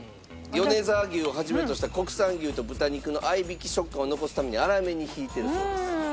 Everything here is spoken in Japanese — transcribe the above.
米沢牛を始めとした国産牛と豚肉の合い挽き食感を残すために粗めに挽いてるそうです。